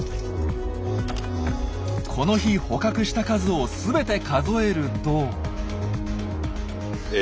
この日捕獲した数をすべて数えると。え！